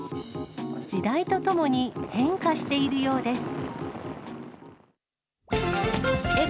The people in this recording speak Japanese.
時代とともに変化しているようです。